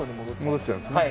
戻っちゃうんですね。